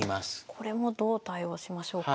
これもどう対応しましょうか？